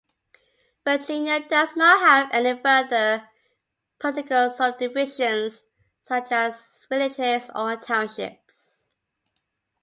Virginia does not have any further political subdivisions, such as villages or townships.